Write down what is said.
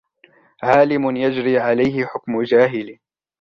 عَالِمٌ يَجْرِي عَلَيْهِ حُكْمُ جَاهِلٍ